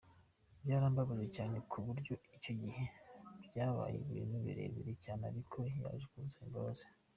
Byarambabaje cyane ku buryo icyo gihe byabaye ibintu birebire cyane ariko yaje kunsaba imbabazi.